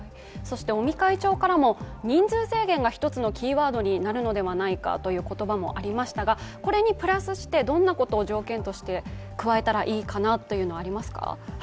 そして尾身会長からも人数制限が一つのキーワードになるのではないかという言葉もありましたが、これにプラスしてどんなことを条件として加えたらいいかというのはありますか？